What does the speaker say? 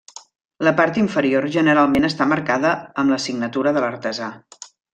La part inferior generalment està marcada amb la signatura de l'artesà.